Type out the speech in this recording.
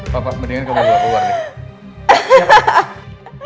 papa mendingan kamu keluar deh